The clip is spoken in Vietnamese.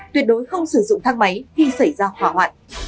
tuyệt đối không sử dụng thang máy khi xảy ra hỏa hoạn